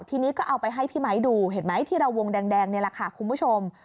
ทีนี้ก็เอาไปให้พี่ไมค์ดูเห็นไหมที่เราวงแดงนี่แหละค่ะคุณผู้ชม